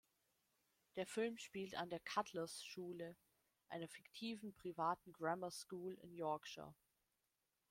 Der Film spielt an der Cutler’s Schule, einer fiktiven privaten Grammar School in Yorkshire.